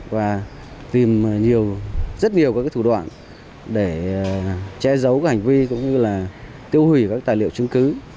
và tìm rất nhiều thủ đoạn để che giấu hành vi tiêu hủy tài liệu chứng cứ